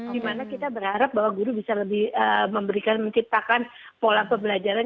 dimana kita berharap bahwa guru bisa lebih memberikan menciptakan pola pembelajaran